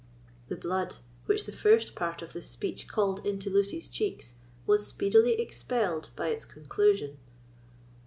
The blood, which the first part of this speech called into Lucy's cheeks, was speedily expelled by its conclusion.